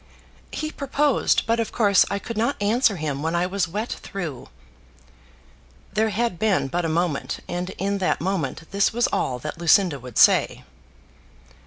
"He proposed; but of course I could not answer him when I was wet through." There had been but a moment, and in that moment this was all that Lucinda would say.